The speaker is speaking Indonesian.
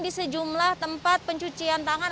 di sejumlah tempat pencucian tangan